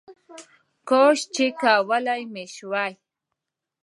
کاشکې چې کولی مې شوای